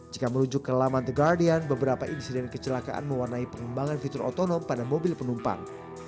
jika menuju ke laman the guardian beberapa insiden kecelakaan mewarnai pengembangan fitur otonom pada mobil penumpang